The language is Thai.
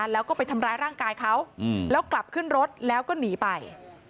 แล้วก็ไปทำร้ายร่างกายเขาแล้วกลับขึ้นรถแล้วก็หนีไป